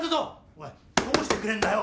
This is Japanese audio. お前どうしてくれんだよ。